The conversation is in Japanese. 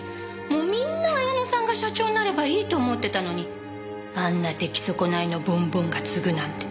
もうみんな彩乃さんが社長になればいいと思ってたのにあんな出来損ないのボンボンが継ぐなんて。